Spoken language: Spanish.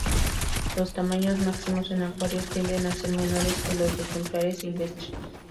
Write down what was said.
Los tamaños máximos en acuarios tienden a ser menores que los de ejemplares silvestres.